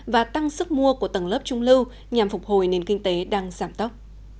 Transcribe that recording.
và tăng sức mua của tầng lớp trung lưu nhằm phục hồi nền kinh tế đang giảm tốc